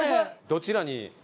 どちらに？